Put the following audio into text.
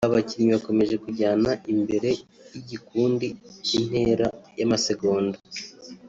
Aba bakinnyi bakomeje kujyana imbere y'igikundi intera y'amasegonda (")